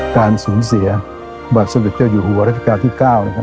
การสูญเสียบัตรสวิตเจ้าอยู่หัวรัฐกาลที่๙นะครับ